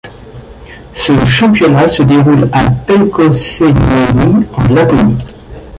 Ce championnat se déroule à Pelkosenniemi, en Laponie.